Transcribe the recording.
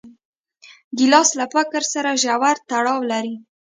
ګیلاس له فکر سره ژور تړاو لري.